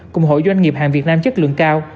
cùng hội doanh nghiệp hàng việt nam chất lượng cao